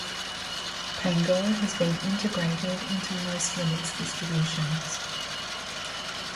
Pango has been integrated into most Linux distributions.